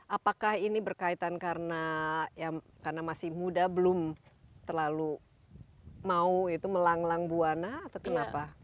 apakah ini berkaitan karena masih muda belum terlalu mau itu melang lang buana atau kenapa